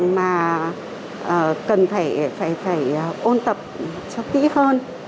mà cần phải ôn tập cho kỹ hơn